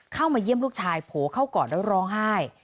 เข้ามาเยี่ยมลูกชายโผล่เข้าก่อนแล้วร้องไห้